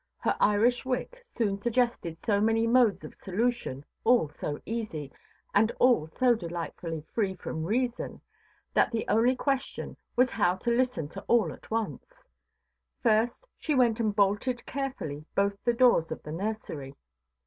Her Irish wit soon suggested so many modes of solution, all so easy, and all so delightfully free from reason, that the only question was how to listen to all at once. First she went and bolted carefully both the doors of the nursery.